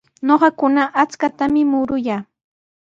Ñuqakuna achkatami muruyaa.